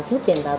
không có công công